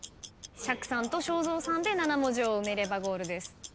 釈さんと正蔵さんで７文字を埋めればゴールです。